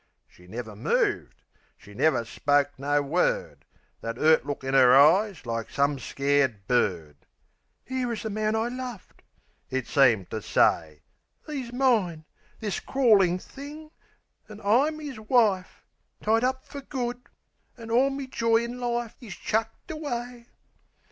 She never moved; she never spoke no word; That 'urt look in 'er eyes, like some scared bird: "'Ere is the man I loved," it seemed to say. "'E's mine, this crawlin' thing, an' I'm 'is wife; Tied up fer good; an' orl me joy in life Is chucked away!"